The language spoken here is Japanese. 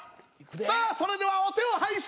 さあそれではお手を拝借。